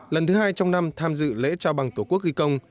lần thứ hai trong năm tham dự lễ trao bằng tổ quốc ghi công